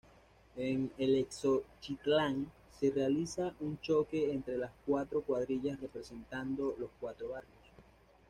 En Eloxochitlán se realiza un "choque" entre las cuatro cuadrillas representando los cuatro barrios.